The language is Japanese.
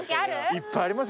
いっぱいありますよ。